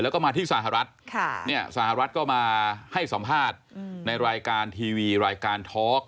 แล้วก็มาที่สหรัฐสหรัฐก็มาให้สัมภาษณ์ในรายการทีวีรายการทอล์ก